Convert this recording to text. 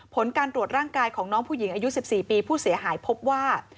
ผลการตรวจร่างกายของน้องผู้หญิงอายุ๑๔ปีผู้เสียหายพบว่า